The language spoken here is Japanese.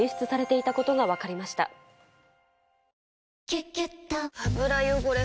「キュキュット」油汚れ